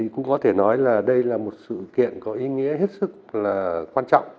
cũng có thể nói là đây là một sự kiện có ý nghĩa hết sức là quan trọng